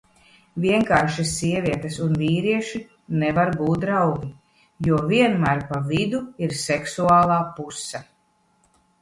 Vienkārši sievietes un vīrieši nevar būt draugi, jo vienmēr pa vidu ir seksuālā puse.